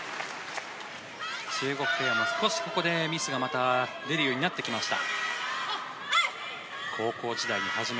中国ペアも少しここでミスがまた出るようになってきました。